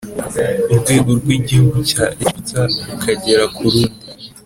urwego rw igihugu cya Egiputa ukagera ku rundi